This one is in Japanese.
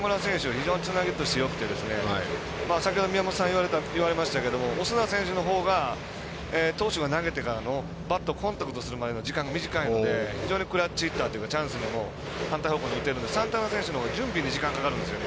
非常につなぎとしてよくて先ほど、宮本さんが言われましたけれどもオスナ選手のほうが投手が投げてからのバットコンタクトする時間がすごく短いのでクラッチヒッターというかチャンスにも反対方向に打てるのでサンタナ選手も準備に時間がかかるんですよね。